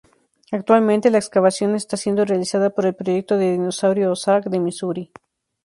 Actualmente, la excavación está siendo realizada por el Proyecto de Dinosaurio Ozark de Missouri.